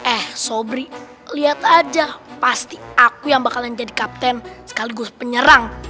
eh sobri lihat aja pasti aku yang bakalan jadi kapten sekaligus penyerang